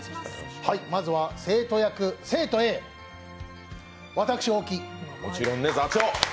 まずは生徒役、生徒Ａ、私、大木。